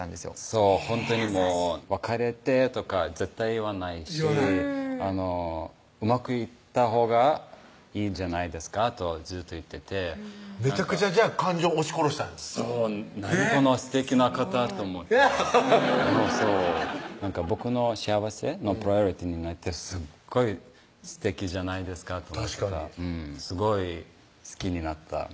そうほんとに「別れて」とか絶対言わないし「うまくいったほうがいいんじゃないですか？」とずっと言っててめちゃくちゃ感情押し殺したんやそうなにこのすてきな方と思った僕の幸せのＰｒｉｏｒｉｔｙになってすっごいすてきじゃないですか確かにすごい好きになった